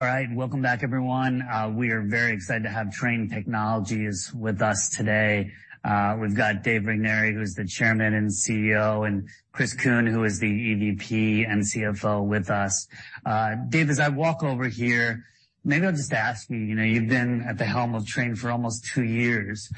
All right, welcome back, everyone. We are very excited to have Trane Technologies with us today. We've got Dave Regnery, who is the Chairman and CEO, and Chris Kuehn, who is the EVP and CFO, with us. Dave, as I walk over here, maybe I'll just ask you, you've been at the helm of Trane for almost two years.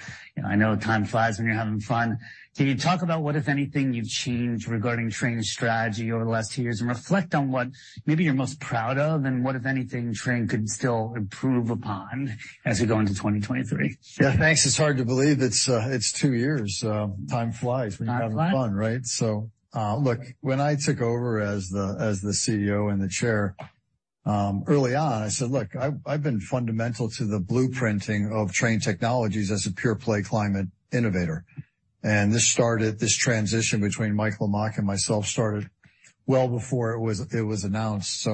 I know time flies when you're having fun. Can you talk about what, if anything, you've changed regarding Trane's strategy over the last two years and reflect on what maybe you're most proud of and what, if anything, Trane could still improve upon as we go into 2023? Yeah, thanks. It's hard to believe it's two years. Time flies when you're having fun, right? Look, when I took over as the CEO and the Chair early on, I said, "Look, I've been fundamental to the blueprinting of Trane Technologies as a pure-play climate innovator." This transition between Mike Lamach and myself started well before it was announced.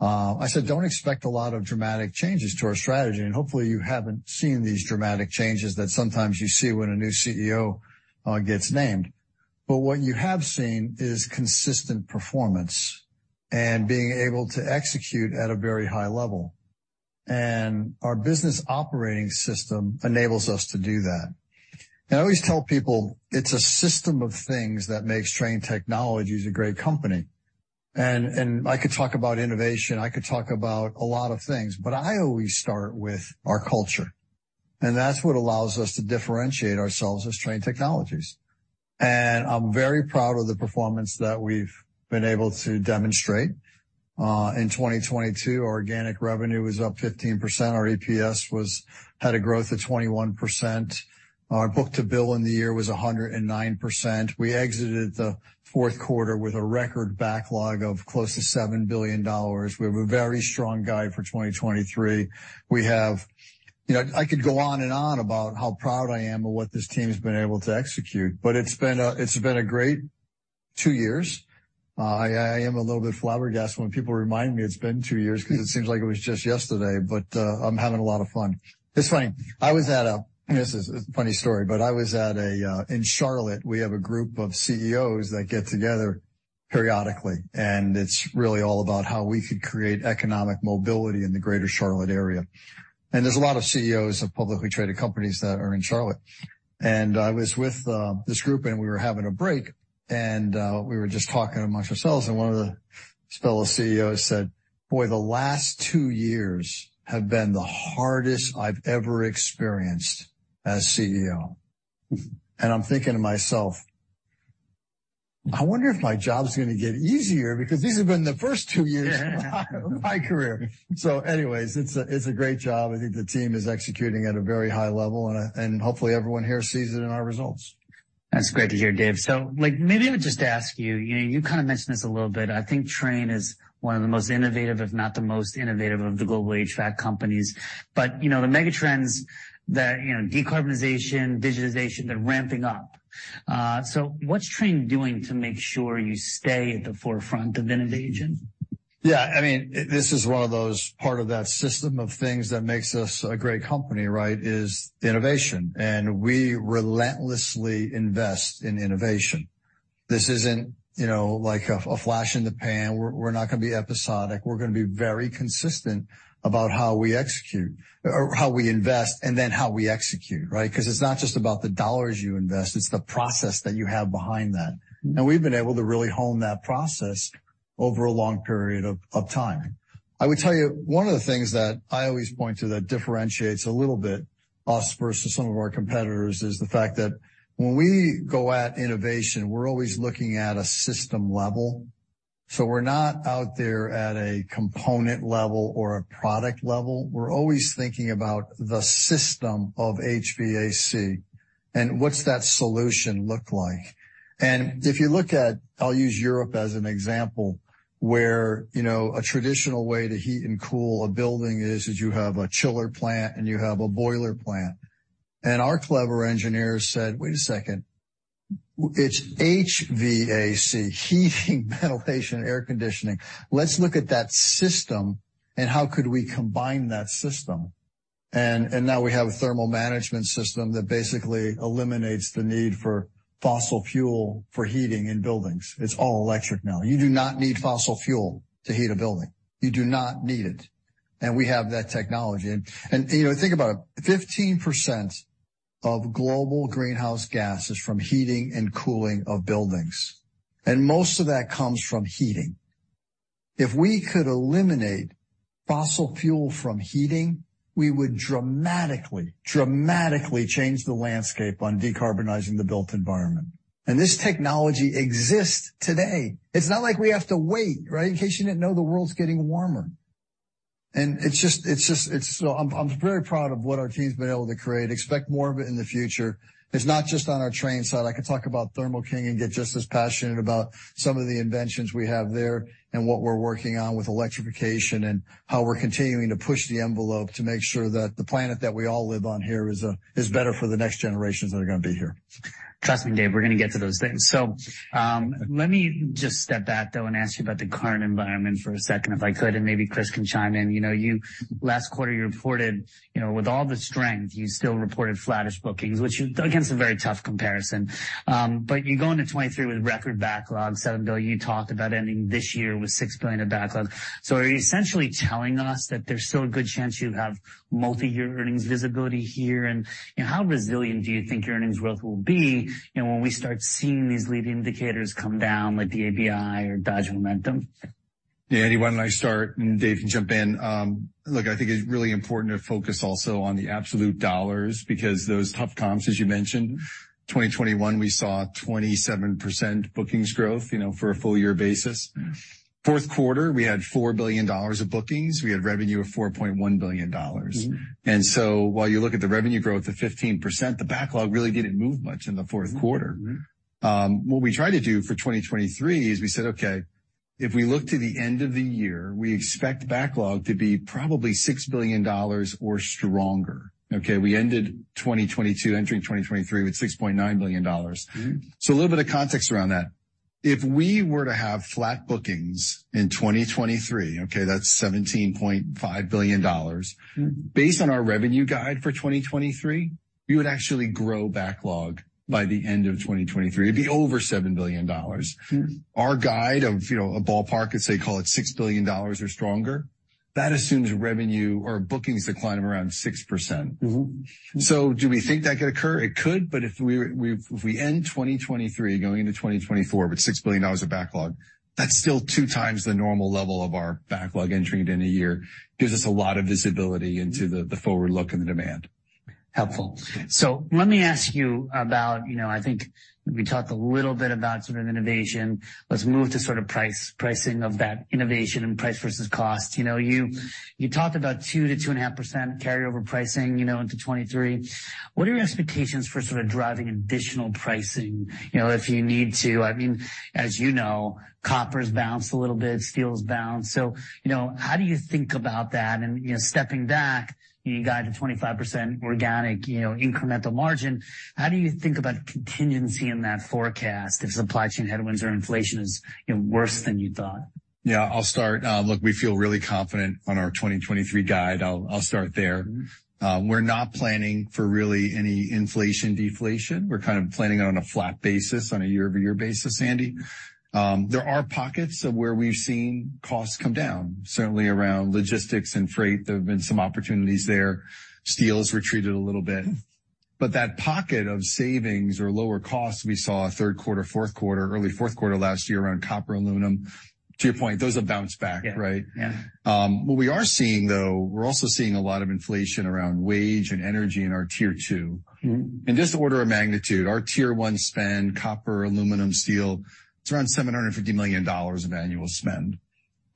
I said, "Don't expect a lot of dramatic changes to our strategy." Hopefully, you haven't seen these dramatic changes that sometimes you see when a new CEO gets named. What you have seen is consistent performance and being able to execute at a very high level. Our business operating system enables us to do that. I always tell people, "It's a system of things that makes Trane Technologies a great company." I could talk about innovation. I could talk about a lot of things. I always start with our culture. That is what allows us to differentiate ourselves as Trane Technologies. I am very proud of the performance that we have been able to demonstrate. In 2022, our organic revenue was up 15%. Our EPS had a growth of 21%. Our book-to-bill in the year was 109%. We exited the fourth quarter with a record backlog of close to $7 billion. We have a very strong guide for 2023. I could go on and on about how proud I am of what this team has been able to execute. It has been a great two years. I am a little bit flabbergasted when people remind me it has been two years because it seems like it was just yesterday. I am having a lot of fun. It is funny. This is a funny story. I was in Charlotte. We have a group of CEOs that get together periodically. It is really all about how we could create economic mobility in the greater Charlotte area. There are a lot of CEOs of publicly traded companies that are in Charlotte. I was with this group, and we were having a break. We were just talking amongst ourselves. One of the fellow CEOs said, "Boy, the last two years have been the hardest I've ever experienced as CEO." I am thinking to myself, "I wonder if my job's going to get easier because these have been the first two years of my career." Anyways, it is a great job. I think the team is executing at a very high level. Hopefully, everyone here sees it in our results. That's great to hear, Dave. Maybe I'll just ask you, you kind of mentioned this a little bit. I think Trane is one of the most innovative, if not the most innovative, of the global HVAC companies. The megatrends, decarbonization, digitization, they're ramping up. What's Trane doing to make sure you stay at the forefront of innovation? Yeah. I mean, this is one of those parts of that system of things that makes us a great company, right, is innovation. And we relentlessly invest in innovation. This isn't like a flash in the pan. We're not going to be episodic. We're going to be very consistent about how we execute or how we invest and then how we execute, right? Because it's not just about the dollars you invest. It's the process that you have behind that. And we've been able to really hone that process over a long period of time. I would tell you, one of the things that I always point to that differentiates a little bit us versus some of our competitors is the fact that when we go at innovation, we're always looking at a system level. So we're not out there at a component level or a product level. We're always thinking about the system of HVAC. What's that solution look like? If you look at, I'll use Europe as an example, where a traditional way to heat and cool a building is you have a chiller plant and you have a boiler plant. Our clever engineers said, "Wait a second. It's HVAC, heating, ventilation, air conditioning. Let's look at that system and how could we combine that system?" Now we have a thermal management system that basically eliminates the need for fossil fuel for heating in buildings. It's all electric now. You do not need fossil fuel to heat a building. You do not need it. We have that technology. Think about it. 15% of global greenhouse gas is from heating and cooling of buildings. Most of that comes from heating. If we could eliminate fossil fuel from heating, we would dramatically, dramatically change the landscape on decarbonizing the built environment. This technology exists today. It's not like we have to wait, right, in case you didn't know the world's getting warmer. It's just, I'm very proud of what our team's been able to create. Expect more of it in the future. It's not just on our Trane side. I could talk about Thermo King and get just as passionate about some of the inventions we have there and what we're working on with electrification and how we're continuing to push the envelope to make sure that the planet that we all live on here is better for the next generations that are going to be here. Trust me, Dave, we're going to get to those things. Let me just step back, though, and ask you about the current environment for a second, if I could. Maybe Chris can chime in. Last quarter, you reported, with all the strength, you still reported flattish bookings, which, again, is a very tough comparison. You go into 2023 with record backlog, $7 billion. You talked about ending this year with $6 billion of backlog. Are you essentially telling us that there's still a good chance you have multi-year earnings visibility here? How resilient do you think your earnings growth will be when we start seeing these lead indicators come down like the ABI or Dodge momentum? Yeah, anyone I start, and Dave can jump in. Look, I think it's really important to focus also on the absolute dollars because those tough comps, as you mentioned, 2021, we saw 27% bookings growth for a full-year basis. Fourth quarter, we had $4 billion of bookings. We had revenue of $4.1 billion. While you look at the revenue growth of 15%, the backlog really did not move much in the fourth quarter. What we tried to do for 2023 is we said, "Okay, if we look to the end of the year, we expect backlog to be probably $6 billion or stronger." Okay? We ended 2022, entering 2023, with $6.9 billion. A little bit of context around that. If we were to have flat bookings in 2023, okay, that's $17.5 billion. Based on our revenue guide for 2023, we would actually grow backlog by the end of 2023. It'd be over $7 billion. Our guide of a ballpark, let's say, call it $6 billion or stronger, that assumes revenue or bookings decline of around 6%. Do we think that could occur? It could. If we end 2023 going into 2024 with $6 billion of backlog, that's still two times the normal level of our backlog entry in a year. It gives us a lot of visibility into the forward look and the demand. Helpful. Let me ask you about, I think we talked a little bit about sort of innovation. Let's move to sort of pricing of that innovation and price versus cost. You talked about 2%-2.5% carryover pricing into 2023. What are your expectations for sort of driving additional pricing if you need to? I mean, as you know, copper's bounced a little bit. Steel's bounced. How do you think about that? And stepping back, you guide to 25% organic incremental margin. How do you think about contingency in that forecast if supply chain headwinds or inflation is worse than you thought? Yeah, I'll start. Look, we feel really confident on our 2023 guide. I'll start there. We're not planning for really any inflation deflation. We're kind of planning on a flat basis, on a year-over-year basis, Andy. There are pockets of where we've seen costs come down, certainly around logistics and freight. There have been some opportunities there. Steel has retreated a little bit. That pocket of savings or lower costs we saw third quarter, fourth quarter, early fourth quarter last year around copper and aluminum, to your point, those have bounced back, right? Yeah. What we are seeing, though, we're also seeing a lot of inflation around wage and energy in our tier two. In this order of magnitude, our tier one spend, copper, aluminum, steel, it's around $750 million of annual spend.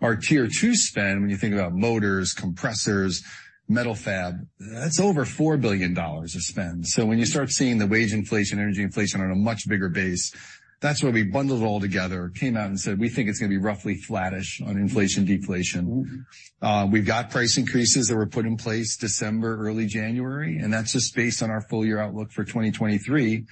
Our tier two spend, when you think about motors, compressors, metal fab, that's over $4 billion of spend. When you start seeing the wage inflation, energy inflation on a much bigger base, that's where we bundled it all together, came out and said, "We think it's going to be roughly flattish on inflation deflation." We've got price increases that were put in place December, early January. That's just based on our full-year outlook for 2023.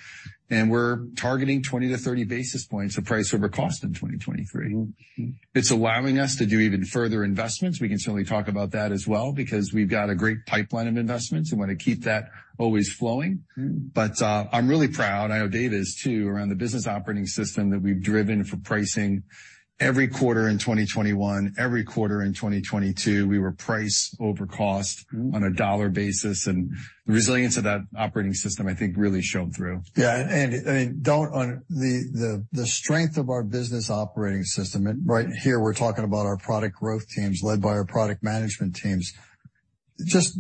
We're targeting 20-30 basis points of price over cost in 2023. It's allowing us to do even further investments. We can certainly talk about that as well because we've got a great pipeline of investments and want to keep that always flowing. I am really proud. I know Dave is too, around the business operating system that we've driven for pricing every quarter in 2021, every quarter in 2022. We were price over cost on a dollar basis. The resilience of that operating system, I think, really showed through. Yeah. The strength of our business operating system, right here, we're talking about our product growth teams led by our product management teams, just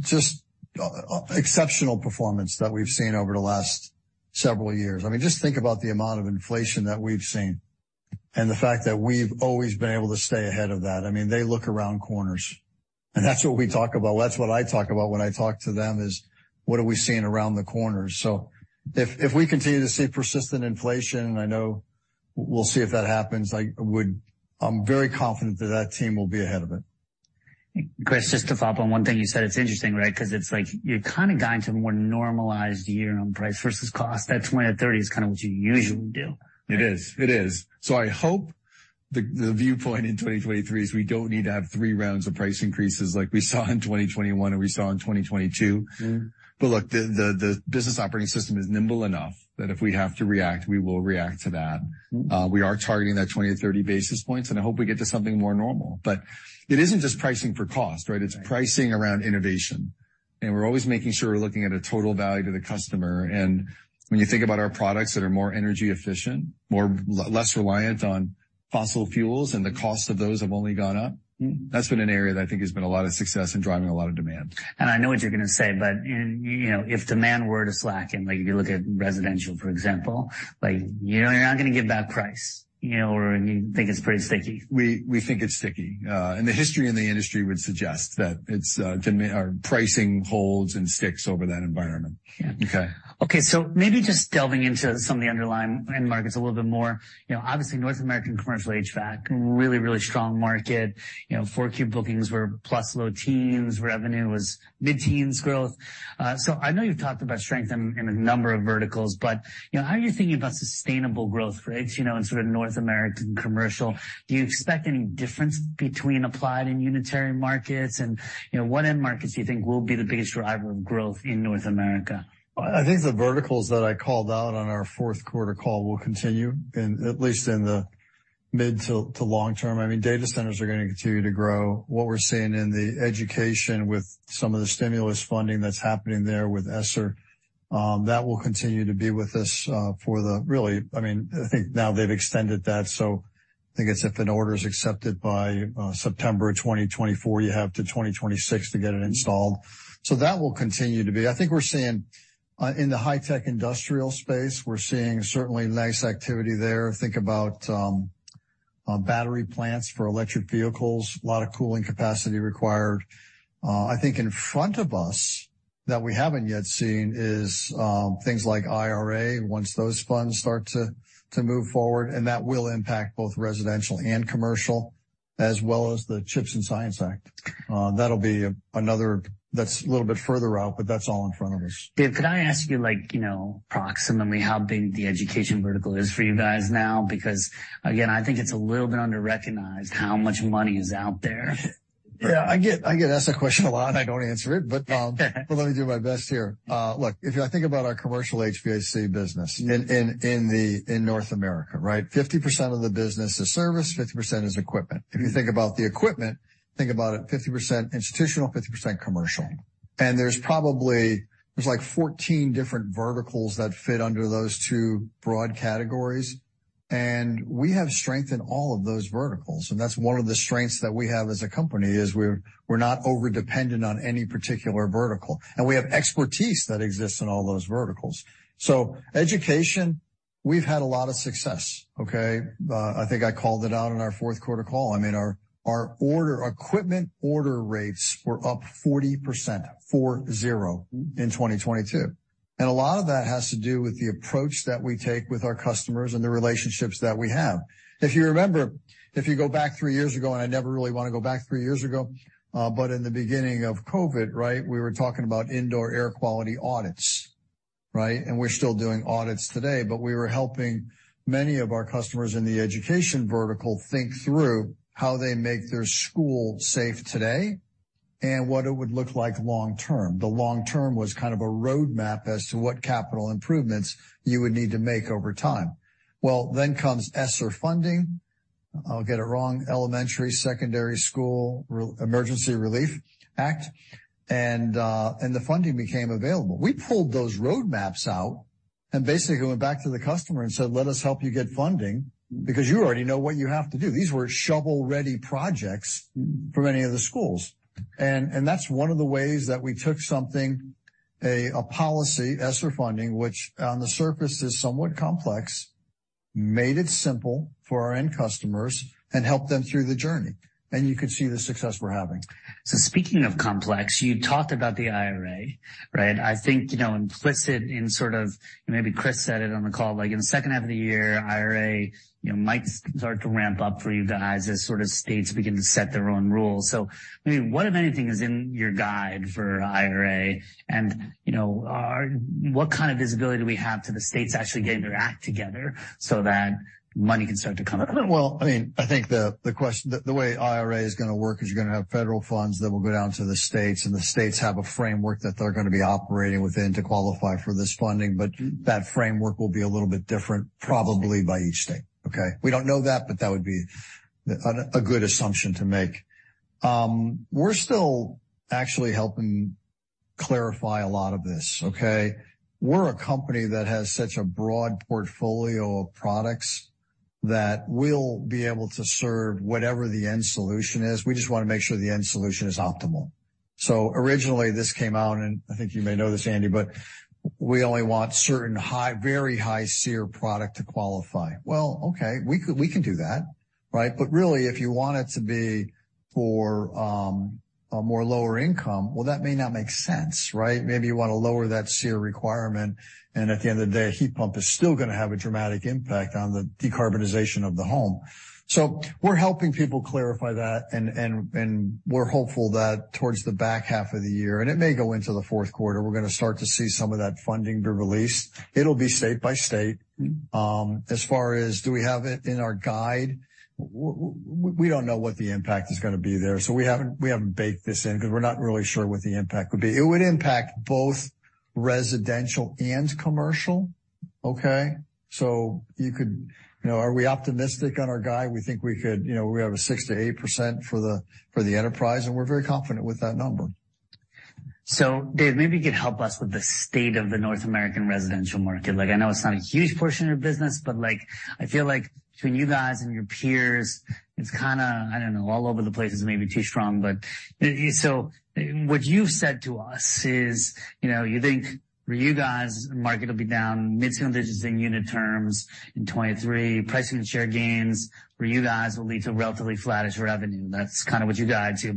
exceptional performance that we've seen over the last several years. I mean, just think about the amount of inflation that we've seen and the fact that we've always been able to stay ahead of that. I mean, they look around corners. That is what we talk about. That is what I talk about when I talk to them is, "What are we seeing around the corners?" If we continue to see persistent inflation, and I know we'll see if that happens, I'm very confident that that team will be ahead of it. Chris, just to follow up on one thing you said, it's interesting, right, because it's like you're kind of going to a more normalized year on price versus cost. That 20-30 is kind of what you usually do. It is. It is. I hope the viewpoint in 2023 is we do not need to have three rounds of price increases like we saw in 2021 and we saw in 2022. Look, the business operating system is nimble enough that if we have to react, we will react to that. We are targeting that 20-30 basis points. I hope we get to something more normal. It is not just pricing for cost, right? It is pricing around innovation. We are always making sure we are looking at a total value to the customer. When you think about our products that are more energy efficient, less reliant on fossil fuels, and the cost of those have only gone up, that has been an area that I think has been a lot of success in driving a lot of demand. I know what you're going to say, but if demand were to slacken, like if you look at residential, for example, you're not going to give back price or you think it's pretty sticky. We think it's sticky. The history in the industry would suggest that our pricing holds and sticks over that environment. Yeah. Okay. Maybe just delving into some of the underlying markets a little bit more. Obviously, North American commercial HVAC, really, really strong market. Q4 bookings were plus low teens. Revenue was mid-teens growth. I know you've talked about strength in a number of verticals, but how are you thinking about sustainable growth rates in sort of North American commercial? Do you expect any difference between applied and unitary markets? What end markets do you think will be the biggest driver of growth in North America? I think the verticals that I called out on our fourth quarter call will continue, at least in the mid to long term. I mean, data centers are going to continue to grow. What we're seeing in the education with some of the stimulus funding that's happening there with ESSER, that will continue to be with us for the really, I mean, I think now they've extended that. I think it's if an order is accepted by September 2024, you have to 2026 to get it installed. That will continue to be. I think we're seeing in the high-tech industrial space, we're seeing certainly nice activity there. Think about battery plants for electric vehicles, a lot of cooling capacity required. I think in front of us that we haven't yet seen is things like IRA once those funds start to move forward. That will impact both residential and commercial as well as the CHIPS and Science Act. That will be another that's a little bit further out, but that's all in front of us. Dave, could I ask you approximately how big the education vertical is for you guys now? Because, again, I think it's a little bit underrecognized how much money is out there. Yeah. I get asked that question a lot. I don't answer it, but let me do my best here. Look, if I think about our commercial HVAC business in North America, right, 50% of the business is service, 50% is equipment. If you think about the equipment, think about it, 50% institutional, 50% commercial. And there's probably like 14 different verticals that fit under those two broad categories. We have strength in all of those verticals. That's one of the strengths that we have as a company is we're not overdependent on any particular vertical. We have expertise that exists in all those verticals. Education, we've had a lot of success, okay? I think I called it out on our fourth quarter call. I mean, our equipment order rates were up 40%, 4-0 in 2022. A lot of that has to do with the approach that we take with our customers and the relationships that we have. If you remember, if you go back three years ago, and I never really want to go back three years ago, but in the beginning of COVID, right, we were talking about indoor air quality audits, right? We're still doing audits today, but we were helping many of our customers in the education vertical think through how they make their school safe today and what it would look like long term. The long term was kind of a roadmap as to what capital improvements you would need to make over time. ESSER funding comes in. I'll get it wrong. Elementary, Secondary School Emergency Relief Act. The funding became available. We pulled those roadmaps out and basically went back to the customer and said, "Let us help you get funding because you already know what you have to do." These were shovel-ready projects for many of the schools. That is one of the ways that we took something, a policy, ESSER funding, which on the surface is somewhat complex, made it simple for our end customers and helped them through the journey. You could see the success we're having. Speaking of complex, you talked about the IRA, right? I think implicit in sort of maybe Chris said it on the call, like in the second half of the year, IRA might start to ramp up for you guys as sort of states begin to set their own rules. I mean, what, if anything, is in your guide for IRA? And what kind of visibility do we have to the states actually getting their act together so that money can start to come? I mean, I think the way IRA is going to work is you're going to have federal funds that will go down to the states. The states have a framework that they're going to be operating within to qualify for this funding. That framework will be a little bit different probably by each state. Okay? We do not know that, but that would be a good assumption to make. We're still actually helping clarify a lot of this. Okay? We're a company that has such a broad portfolio of products that we'll be able to serve whatever the end solution is. We just want to make sure the end solution is optimal. Originally, this came out, and I think you may know this, Andy, but we only want certain very high-tier product to qualify. Okay, we can do that, right? If you want it to be for a more lower income, that may not make sense, right? Maybe you want to lower that SEER requirement. At the end of the day, a heat pump is still going to have a dramatic impact on the decarbonization of the home. We are helping people clarify that. We are hopeful that towards the back half of the year, and it may go into the fourth quarter, we are going to start to see some of that funding be released. It will be state by state. As far as do we have it in our guide, we do not know what the impact is going to be there. We have not baked this in because we are not really sure what the impact would be. It would impact both residential and commercial, okay? Are we optimistic on our guide? We think we could, we have a 6%-8% for the enterprise. And we're very confident with that number. Dave, maybe you could help us with the state of the North American residential market. I know it's not a huge portion of your business, but I feel like between you guys and your peers, it's kind of, I don't know, all over the place, it's maybe too strong. What you've said to us is you think for you guys, the market will be down, mid to low digits in unit terms in 2023, pricing and share gains, where you guys will lead to relatively flattish revenue. That's kind of what you guide to.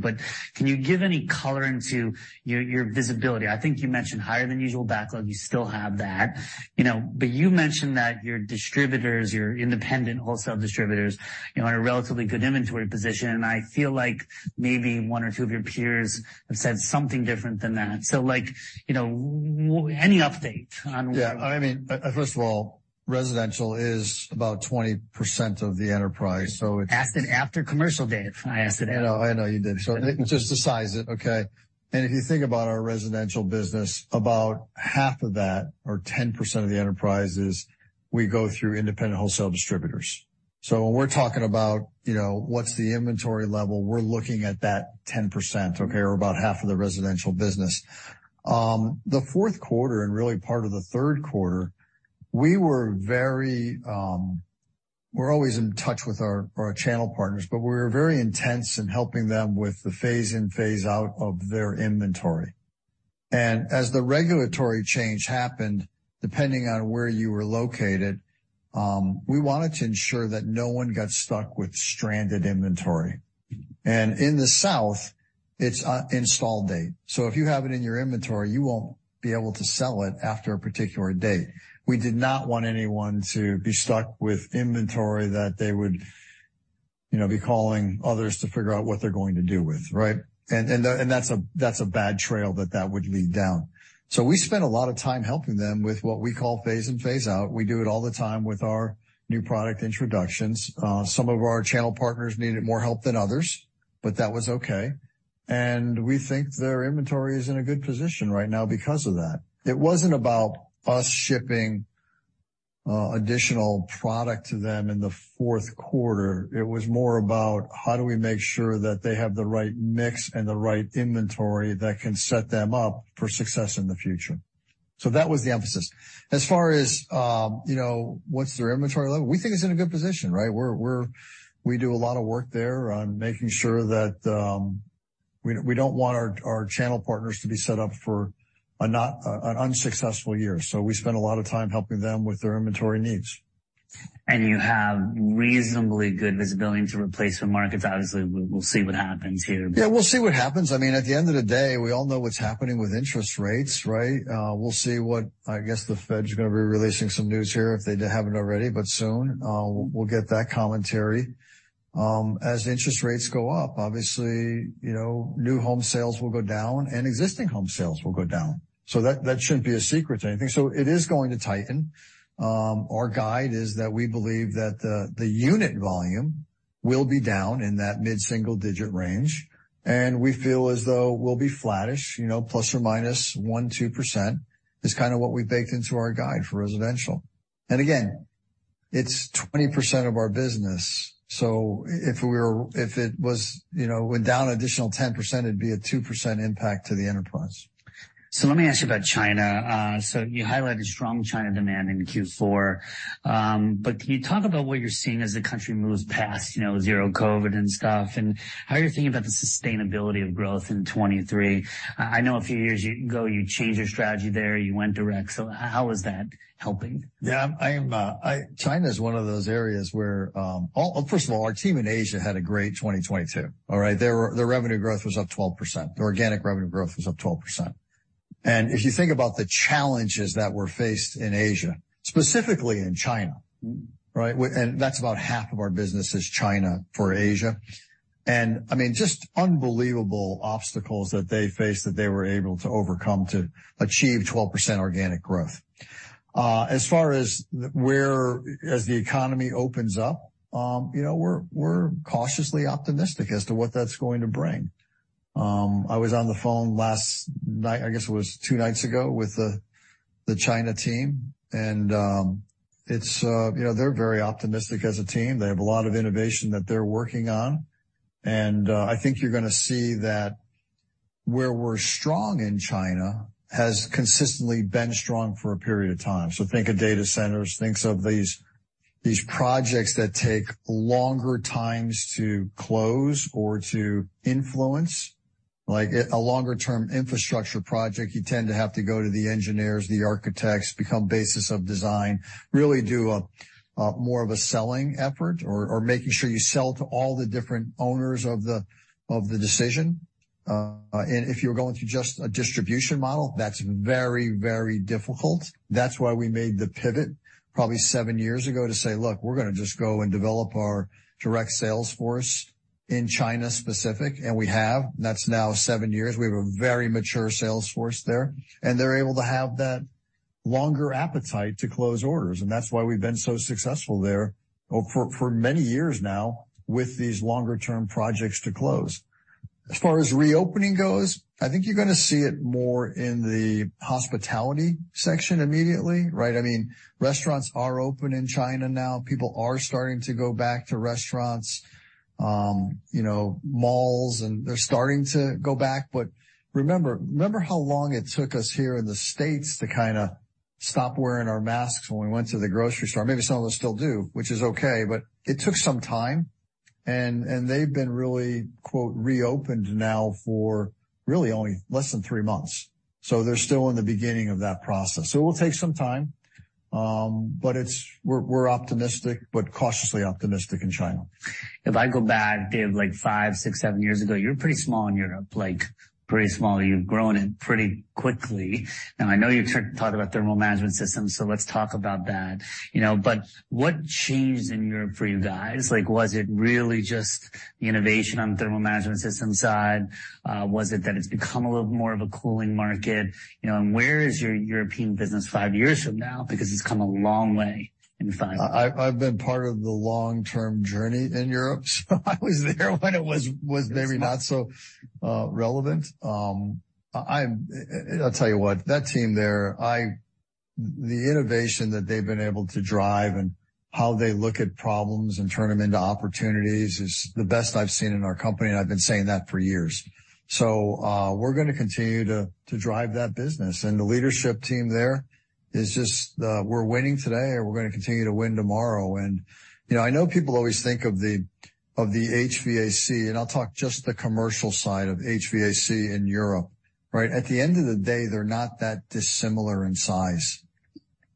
Can you give any color into your visibility? I think you mentioned higher than usual backlog. You still have that. You mentioned that your distributors, your independent wholesale distributors, are in a relatively good inventory position. I feel like maybe one or two of your peers have said something different than that. Any update on? Yeah. I mean, first of all, residential is about 20% of the enterprise. So it's. Asked it after commercial, Dave. I asked it after. I know you did. Just to size it, okay? If you think about our residential business, about half of that or 10% of the enterprises, we go through independent wholesale distributors. When we're talking about what's the inventory level, we're looking at that 10%, okay, or about half of the residential business. The fourth quarter and really part of the third quarter, we were very—we're always in touch with our channel partners, but we were very intense in helping them with the phase-in, phase-out of their inventory. As the regulatory change happened, depending on where you were located, we wanted to ensure that no one got stuck with stranded inventory. In the south, it's install date. If you have it in your inventory, you won't be able to sell it after a particular date. We did not want anyone to be stuck with inventory that they would be calling others to figure out what they're going to do with, right? That is a bad trail that that would lead down. We spent a lot of time helping them with what we call phase-in, phase-out. We do it all the time with our new product introductions. Some of our channel partners needed more help than others, but that was okay. We think their inventory is in a good position right now because of that. It was not about us shipping additional product to them in the fourth quarter. It was more about how do we make sure that they have the right mix and the right inventory that can set them up for success in the future. That was the emphasis. As far as what's their inventory level, we think it's in a good position, right? We do a lot of work there on making sure that we don't want our channel partners to be set up for an unsuccessful year. We spend a lot of time helping them with their inventory needs. You have reasonably good visibility into replacement markets. Obviously, we'll see what happens here. Yeah, we'll see what happens. I mean, at the end of the day, we all know what's happening with interest rates, right? We'll see what, I guess, the Fed's going to be releasing some news here if they haven't already, but soon. We'll get that commentary. As interest rates go up, obviously, new home sales will go down and existing home sales will go down. That shouldn't be a secret to anything. It is going to tighten. Our guide is that we believe that the unit volume will be down in that mid-single digit range. We feel as though we'll be flattish, plus or minus 1%-2% is kind of what we baked into our guide for residential. Again, it's 20% of our business. If it was down an additional 10%, it'd be a 2% impact to the enterprise. Let me ask you about China. You highlighted strong China demand in Q4. Can you talk about what you're seeing as the country moves past zero COVID and stuff? How are you thinking about the sustainability of growth in 2023? I know a few years ago, you changed your strategy there. You went direct. How is that helping? Yeah. China is one of those areas where first of all, our team in Asia had a great 2022, all right? Their revenue growth was up 12%. Their organic revenue growth was up 12%. If you think about the challenges that were faced in Asia, specifically in China, right? That is about half of our business is China for Asia. I mean, just unbelievable obstacles that they faced that they were able to overcome to achieve 12% organic growth. As far as where as the economy opens up, we are cautiously optimistic as to what that is going to bring. I was on the phone last night, I guess it was two nights ago with the China team. They are very optimistic as a team. They have a lot of innovation that they are working on. I think you're going to see that where we're strong in China has consistently been strong for a period of time. Think of data centers, think of these projects that take longer times to close or to influence. A longer-term infrastructure project, you tend to have to go to the engineers, the architects, become basis of design, really do more of a selling effort or making sure you sell to all the different owners of the decision. If you're going to just a distribution model, that's very, very difficult. That's why we made the pivot probably seven years ago to say, "Look, we're going to just go and develop our direct sales force in China specific." We have. That's now seven years. We have a very mature sales force there. They're able to have that longer appetite to close orders. That is why we have been so successful there for many years now with these longer-term projects to close. As far as reopening goes, I think you are going to see it more in the hospitality section immediately, right? I mean, restaurants are open in China now. People are starting to go back to restaurants, malls, and they are starting to go back. Remember how long it took us here in the U.S. to kind of stop wearing our masks when we went to the grocery store? Maybe some of us still do, which is okay. It took some time. They have been really "reopened" now for really only less than three months. They are still in the beginning of that process. It will take some time. We are optimistic, but cautiously optimistic in China. If I go back, Dave, like five, six, seven years ago, you were pretty small in Europe. Pretty small. You've grown it pretty quickly. I know you talked about thermal management systems. Let's talk about that. What changed in Europe for you guys? Was it really just the innovation on the thermal management system side? Was it that it's become a little more of a cooling market? Where is your European business five years from now? It's come a long way in five years. I've been part of the long-term journey in Europe. I was there when it was maybe not so relevant. I'll tell you what, that team there, the innovation that they've been able to drive and how they look at problems and turn them into opportunities is the best I've seen in our company. I've been saying that for years. We're going to continue to drive that business. The leadership team there is just, we're winning today or we're going to continue to win tomorrow. I know people always think of the HVAC, and I'll talk just the commercial side of HVAC in Europe, right? At the end of the day, they're not that dissimilar in size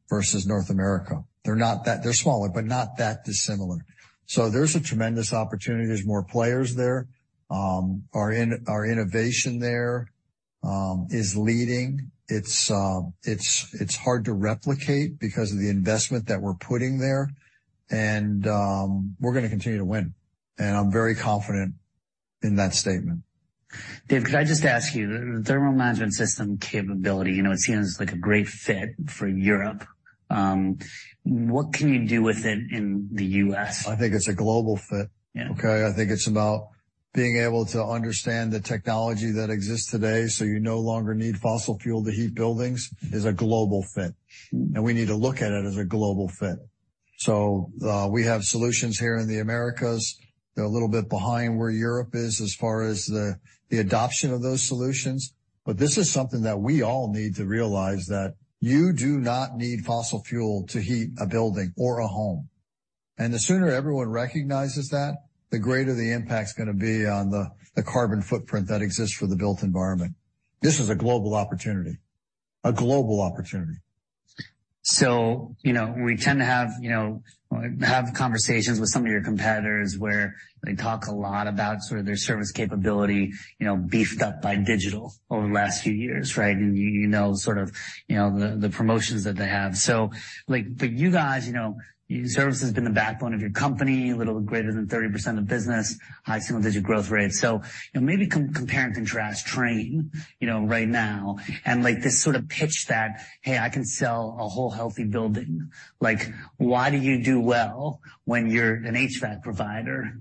versus North America. They're smaller, but not that dissimilar. There's a tremendous opportunity. There's more players there. Our innovation there is leading. It's hard to replicate because of the investment that we're putting there. We're going to continue to win. I'm very confident in that statement. Dave, could I just ask you, the thermal management system capability, it seems like a great fit for Europe. What can you do with it in the U.S.? I think it's a global fit. Okay? I think it's about being able to understand the technology that exists today so you no longer need fossil fuel to heat buildings is a global fit. We need to look at it as a global fit. We have solutions here in the Americas. They're a little bit behind where Europe is as far as the adoption of those solutions. This is something that we all need to realize that you do not need fossil fuel to heat a building or a home. The sooner everyone recognizes that, the greater the impact's going to be on the carbon footprint that exists for the built environment. This is a global opportunity. A global opportunity. We tend to have conversations with some of your competitors where they talk a lot about sort of their service capability beefed up by digital over the last few years, right? And you know sort of the promotions that they have. For you guys, service has been the backbone of your company, a little greater than 30% of business, high single-digit growth rate. Maybe compare and contrast Trane right now and this sort of pitch that, "Hey, I can sell a whole healthy building." Why do you do well when you're an HVAC provider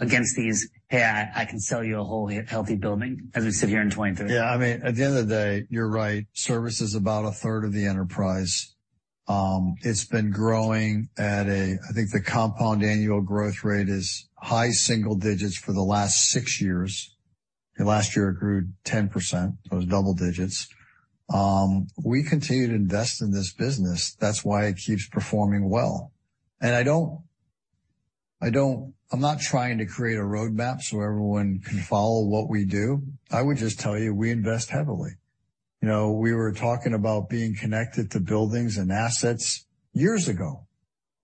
against these, "Hey, I can sell you a whole healthy building as we sit here in 2023? Yeah. I mean, at the end of the day, you're right. Service is about a third of the enterprise. It's been growing at a, I think the compound annual growth rate is high single digits for the last six years. Last year it grew 10%. It was double digits. We continue to invest in this business. That's why it keeps performing well. I'm not trying to create a roadmap so everyone can follow what we do. I would just tell you, we invest heavily. We were talking about being connected to buildings and assets years ago,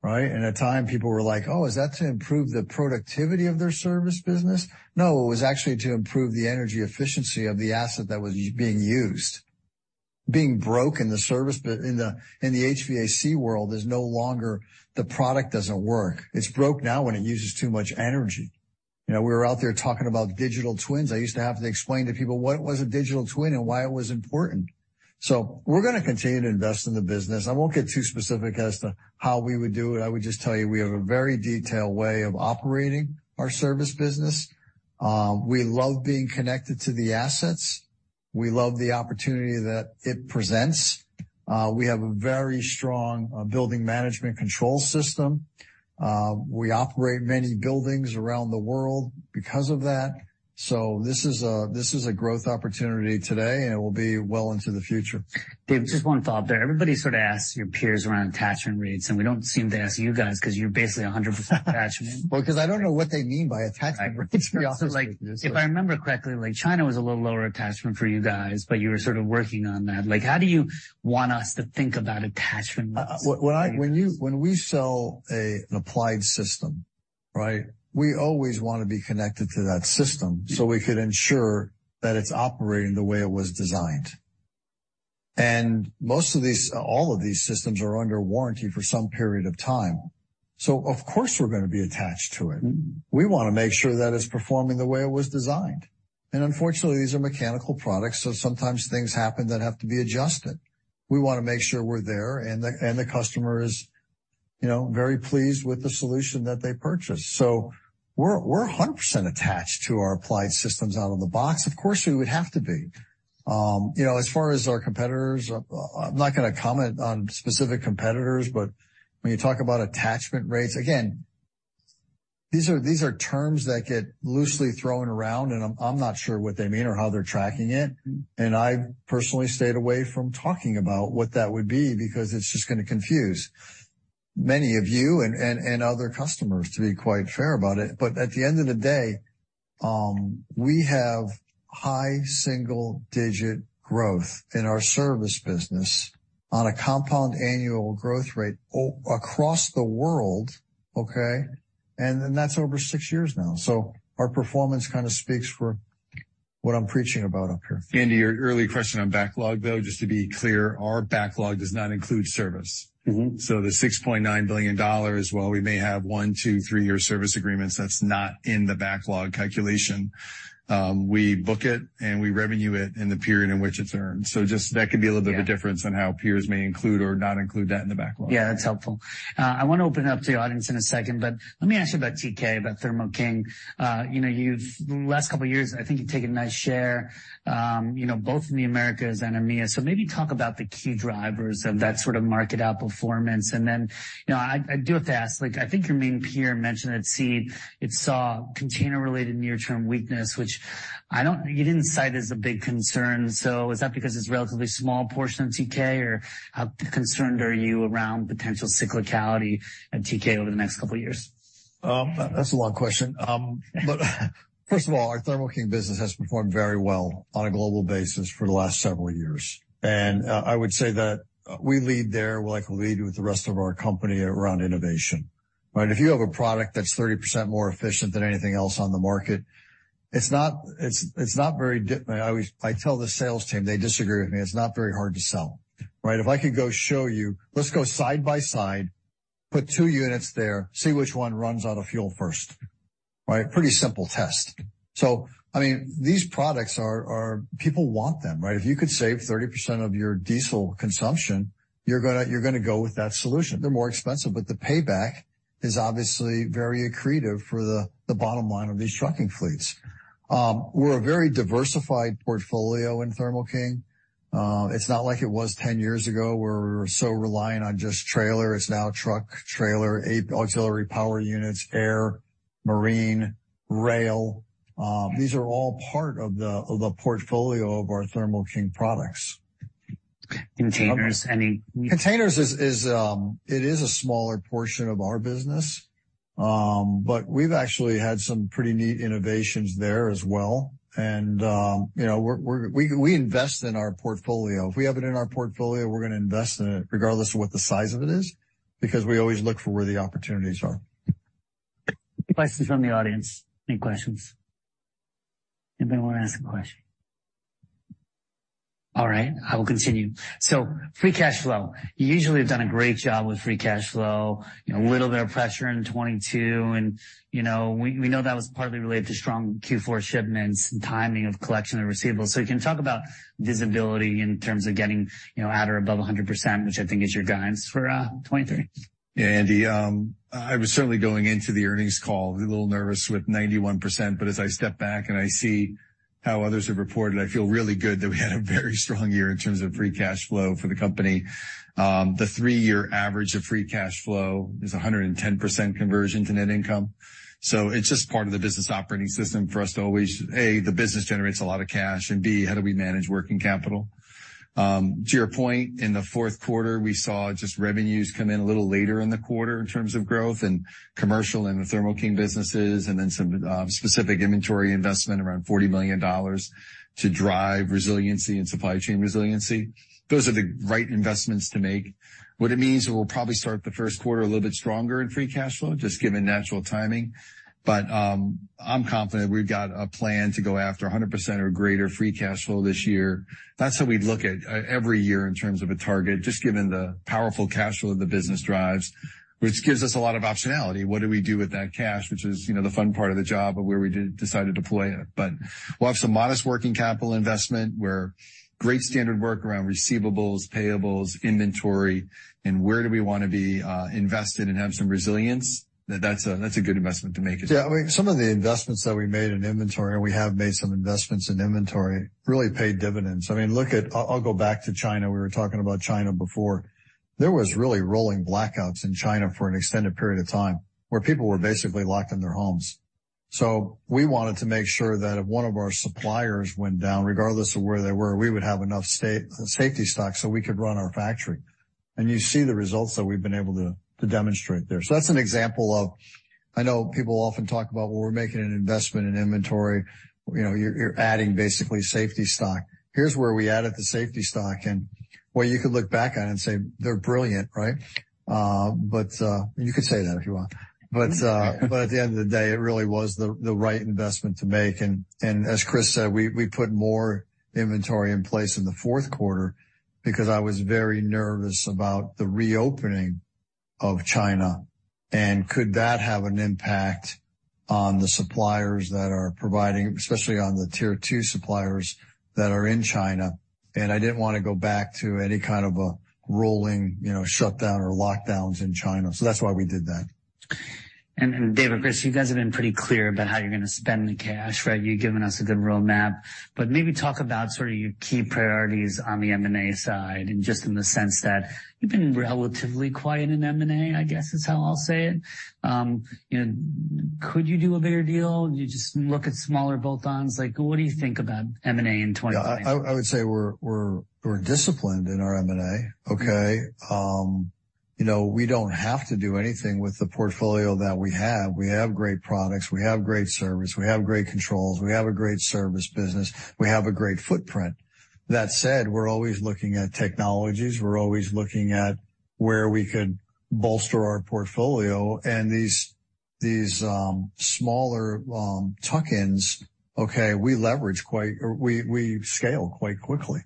right? At the time, people were like, "Oh, is that to improve the productivity of their service business?" No, it was actually to improve the energy efficiency of the asset that was being used. Being broke in the service in the HVAC world is no longer the product doesn't work. It's broke now when it uses too much energy. We were out there talking about digital twins. I used to have to explain to people what was a digital twin and why it was important. We are going to continue to invest in the business. I will not get too specific as to how we would do it. I would just tell you, we have a very detailed way of operating our service business. We love being connected to the assets. We love the opportunity that it presents. We have a very strong building management control system. We operate many buildings around the world because of that. This is a growth opportunity today, and it will be well into the future. Dave, just one thought there. Everybody sort of asks your peers around attachment rates, and we do not seem to ask you guys because you are basically 100% attachment. I don't know what they mean by attachment rates. If I remember correctly, China was a little lower attachment for you guys, but you were sort of working on that. How do you want us to think about attachment rates? When we sell an applied system, right, we always want to be connected to that system so we could ensure that it's operating the way it was designed. All of these systems are under warranty for some period of time. Of course, we're going to be attached to it. We want to make sure that it's performing the way it was designed. Unfortunately, these are mechanical products, so sometimes things happen that have to be adjusted. We want to make sure we're there and the customer is very pleased with the solution that they purchased. We're 100% attached to our applied systems out of the box. Of course, we would have to be. As far as our competitors, I'm not going to comment on specific competitors, but when you talk about attachment rates, again, these are terms that get loosely thrown around, and I'm not sure what they mean or how they're tracking it. I personally stayed away from talking about what that would be because it's just going to confuse many of you and other customers, to be quite fair about it. At the end of the day, we have high single-digit growth in our service business on a compound annual growth rate across the world, okay? That's over six years now. Our performance kind of speaks for what I'm preaching about up here. To your early question on backlog, though, just to be clear, our backlog does not include service. The $6.9 billion, while we may have one, two, three-year service agreements, that's not in the backlog calculation. We book it and we revenue it in the period in which it's earned. That could be a little bit of a difference on how peers may include or not include that in the backlog. Yeah, that's helpful. I want to open it up to the audience in a second, but let me ask you about TK, about Thermo King. The last couple of years, I think you've taken a nice share, both in the Americas and EMEA. Maybe talk about the key drivers of that sort of market outperformance. I do have to ask, I think your main peer mentioned at Seed, it saw container-related near-term weakness, which you did not cite as a big concern. Is that because it is a relatively small portion of TK, or how concerned are you around potential cyclicality at TK over the next couple of years? That's a long question. First of all, our Thermo King business has performed very well on a global basis for the last several years. I would say that we lead there, like we lead with the rest of our company around innovation, right? If you have a product that's 30% more efficient than anything else on the market, it's not very—I tell the sales team, they disagree with me. It's not very hard to sell, right? If I could go show you, let's go side by side, put two units there, see which one runs out of fuel first, right? Pretty simple test. I mean, these products, people want them, right? If you could save 30% of your diesel consumption, you're going to go with that solution. They're more expensive, but the payback is obviously very accretive for the bottom line of these trucking fleets. We're a very diversified portfolio in Thermo King. It's not like it was 10 years ago where we were so reliant on just trailer. It's now truck, trailer, auxiliary power units, air, marine, rail. These are all part of the portfolio of our Thermo King products. Containers, any? Containers, it is a smaller portion of our business, but we've actually had some pretty neat innovations there as well. We invest in our portfolio. If we have it in our portfolio, we're going to invest in it regardless of what the size of it is because we always look for where the opportunities are. Questions from the audience? Any questions? Anybody want to ask a question? All right. I will continue. Free cash flow. You usually have done a great job with free cash flow, a little bit of pressure in 2022. We know that was partly related to strong Q4 shipments and timing of collection and receivable. You can talk about visibility in terms of getting at or above 100%, which I think is your guidance for 2023. Yeah, Andy. I was certainly going into the earnings call a little nervous with 91%, but as I step back and I see how others have reported, I feel really good that we had a very strong year in terms of free cash flow for the company. The three-year average of free cash flow is 110% conversion to net income. So it's just part of the business operating system for us to always, A, the business generates a lot of cash, and B, how do we manage working capital? To your point, in the fourth quarter, we saw just revenues come in a little later in the quarter in terms of growth and commercial and the Thermo King businesses, and then some specific inventory investment around $40 million to drive resiliency and supply chain resiliency. Those are the right investments to make. What it means is we'll probably start the first quarter a little bit stronger in free cash flow, just given natural timing. I'm confident we've got a plan to go after 100% or greater free cash flow this year. That's how we'd look at every year in terms of a target, just given the powerful cash flow that the business drives, which gives us a lot of optionality. What do we do with that cash, which is the fun part of the job of where we decide to deploy it? We'll have some modest working capital investment where great standard work around receivables, payables, inventory, and where do we want to be invested and have some resilience. That's a good investment to make as well. Yeah. I mean, some of the investments that we made in inventory, and we have made some investments in inventory, really paid dividends. I mean, look at—I’ll go back to China. We were talking about China before. There was really rolling blackouts in China for an extended period of time where people were basically locked in their homes. We wanted to make sure that if one of our suppliers went down, regardless of where they were, we would have enough safety stock so we could run our factory. You see the results that we’ve been able to demonstrate there. That’s an example of—I know people often talk about, well, we’re making an investment in inventory. You’re adding basically safety stock. Here’s where we added the safety stock. You could look back at it and say, they’re brilliant, right? You could say that if you want. At the end of the day, it really was the right investment to make. As Chris said, we put more inventory in place in the fourth quarter because I was very nervous about the reopening of China. Could that have an impact on the suppliers that are providing, especially on the tier two suppliers that are in China? I did not want to go back to any kind of a rolling shutdown or lockdowns in China. That is why we did that. Dave and Chris, you guys have been pretty clear about how you're going to spend the cash, right? You've given us a good roadmap. Maybe talk about sort of your key priorities on the M&A side and just in the sense that you've been relatively quiet in M&A, I guess is how I'll say it. Could you do a bigger deal? You just look at smaller bolt-ons? What do you think about M&A in 2023? I would say we're disciplined in our M&A, okay? We don't have to do anything with the portfolio that we have. We have great products. We have great service. We have great controls. We have a great service business. We have a great footprint. That said, we're always looking at technologies. We're always looking at where we could bolster our portfolio. These smaller tuck-ins, okay, we leverage quite—we scale quite quickly.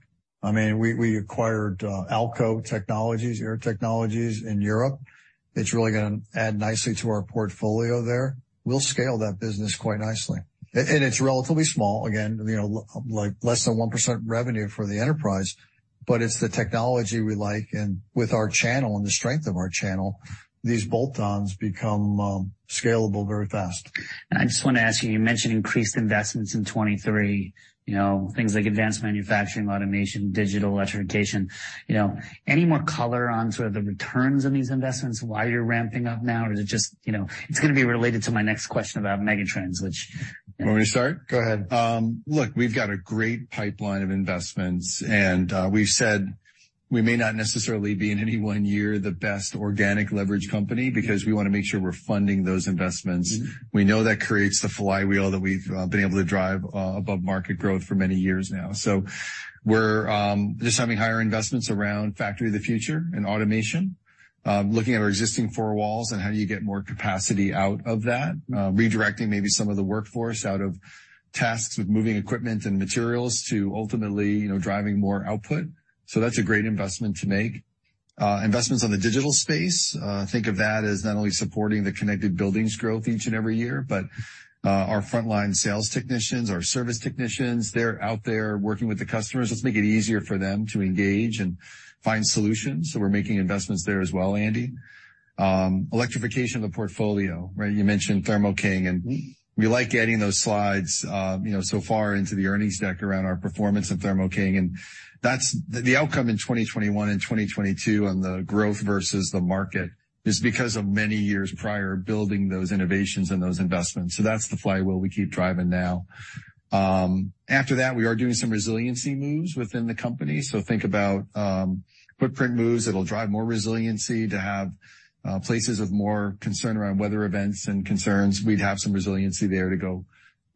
I mean, we acquired Alco Technologies, Air Technologies in Europe. It's really going to add nicely to our portfolio there. We'll scale that business quite nicely. It's relatively small, again, like less than 1% revenue for the enterprise, but it's the technology we like. With our channel and the strength of our channel, these bolt-ons become scalable very fast. I just want to ask you, you mentioned increased investments in 2023, things like advanced manufacturing, automation, digital electrification. Any more color on sort of the returns on these investments while you're ramping up now, or is it just—it's going to be related to my next question about megatrends, which. Want me to start? Go ahead. Look, we've got a great pipeline of investments, and we've said we may not necessarily be in any one year the best organic leverage company because we want to make sure we're funding those investments. We know that creates the flywheel that we've been able to drive above market growth for many years now. We are just having higher investments around Factory of the Future and automation, looking at our existing four walls and how do you get more capacity out of that, redirecting maybe some of the workforce out of tasks with moving equipment and materials to ultimately driving more output. That is a great investment to make. Investments on the digital space, think of that as not only supporting the connected buildings growth each and every year, but our frontline sales technicians, our service technicians, they're out there working with the customers. Let's make it easier for them to engage and find solutions. We are making investments there as well, Andy. Electrification of the portfolio, right? You mentioned Thermo King, and we like adding those slides so far into the earnings deck around our performance of Thermo King. The outcome in 2021 and 2022 on the growth versus the market is because of many years prior building those innovations and those investments. That is the flywheel we keep driving now. After that, we are doing some resiliency moves within the company. Think about footprint moves that will drive more resiliency to have places of more concern around weather events and concerns. We would have some resiliency there to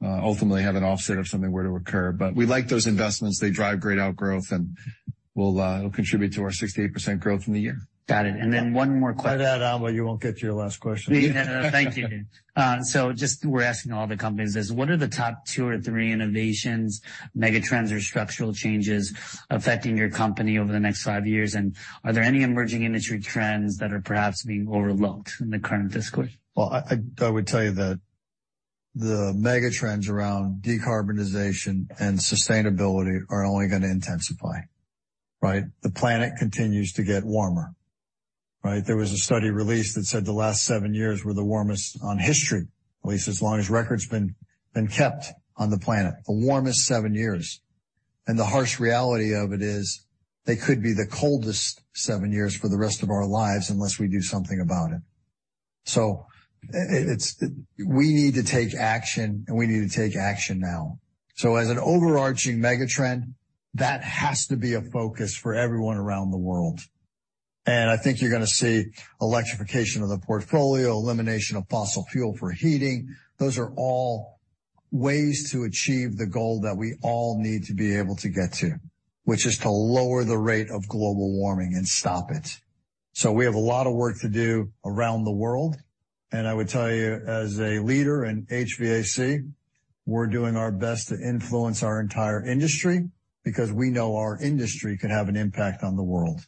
ultimately have an offset if something were to occur. We like those investments. They drive great outgrowth, and it will contribute to our 68% growth in the year. Got it. And then one more question. I'll add on, but you won't get to your last question. Thank you. Just we're asking all the companies this. What are the top two or three innovations, megatrends, or structural changes affecting your company over the next five years? Are there any emerging industry trends that are perhaps being overlooked in the current discourse? I would tell you that the megatrends around decarbonization and sustainability are only going to intensify, right? The planet continues to get warmer, right? There was a study released that said the last seven years were the warmest in history, at least as long as records have been kept on the planet, the warmest seven years. The harsh reality of it is they could be the coldest seven years for the rest of our lives unless we do something about it. We need to take action, and we need to take action now. As an overarching megatrend, that has to be a focus for everyone around the world. I think you're going to see electrification of the portfolio, elimination of fossil fuel for heating. Those are all ways to achieve the goal that we all need to be able to get to, which is to lower the rate of global warming and stop it. We have a lot of work to do around the world. I would tell you, as a leader in HVAC, we're doing our best to influence our entire industry because we know our industry can have an impact on the world.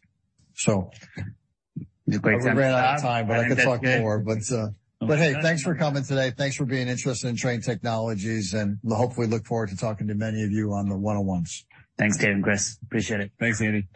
It's a great time to stop. We ran out of time, but I could talk more. But hey, thanks for coming today. Thanks for being interested in Trane Technologies, and hopefully look forward to talking to many of you on the one-on-ones. Thanks, Dave and Chris. Appreciate it. Thanks, Andy.